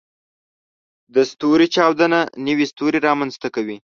د ستوري چاودنه نوې ستوري رامنځته کوي.